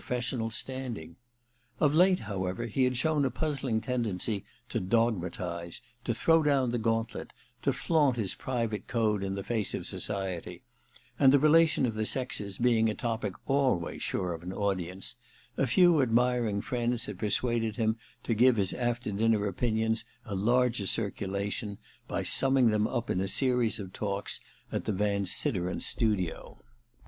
fessional standing. Of late, however, he had shown a puzzling tendency to dogmatize, to throw down the gauntlet, to flaunt his private code in the face of society ; and the relation of the sexes being a topic always sure of an audience, a few admiring friends had persuaded him to 197 198 THE RECKONING 1 give lus after dinner opinions a larger circulation by summing them up in a series of talks at the Van Sideren studio.